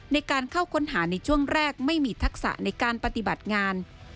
ในการเข้าค้นหาในช่วงแรกไม่มีทักษะในการปฏิบัติงาน